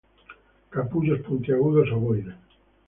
Capullos puntiagudos, ovoides.